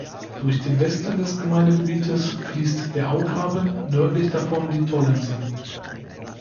Durch den Westen des Gemeindegebietes fließt der Augraben, nördlich davon die Tollense.